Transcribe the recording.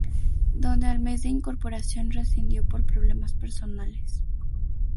Donde al mes de incorporación rescindió por problemas personales.